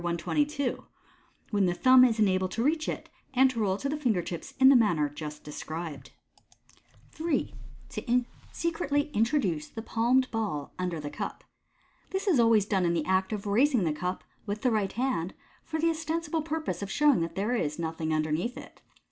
122, when the thumb is enabled to reach it, and to roll it to the finger tips in the manner just de scribed. Fig. 123. MODERN MAGIC. 275 J. To Secretly Introduce the Palmed Ball under the Cup. — This is always done in the act of raising the cup (with the right lv.nd), for the ostensible purpose of showing that there is nothing underneath it.